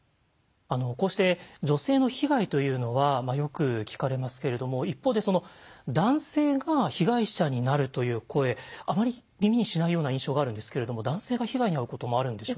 こうして女性の被害というのはよく聞かれますけれども一方で男性が被害者になるという声あまり耳にしないような印象があるんですけれども男性が被害に遭うこともあるんでしょうか？